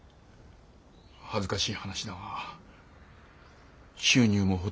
恥ずかしい話だが収入もほとんどない。